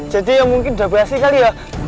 jadi ya mungkin udah basi kali ya